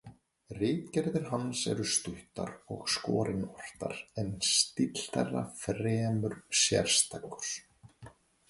Ritgerðir hans eru stuttar og skorinortar en stíll þeirra fremur sérstakur.